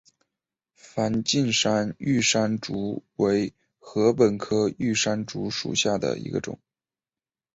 梵净山玉山竹为禾本科玉山竹属下的一个种。